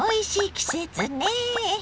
季節ね。